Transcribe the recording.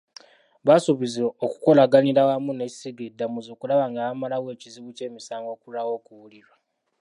Baasuubizza okukolaganira awamu n'essiga eddamuzi okulaba nga bamalawo ekizibu ky'emisango okulwawo okuwulirwa.